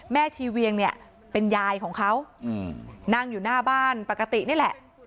ชีเวียงเนี่ยเป็นยายของเขานั่งอยู่หน้าบ้านปกตินี่แหละ